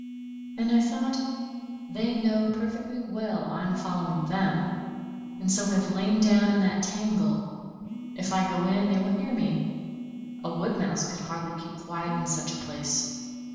And I thought, "They know perfectly well I am following them, and so have lain down in that tangle. If I go in, they will hear me; a wood mouse could hardly keep quiet in such a place.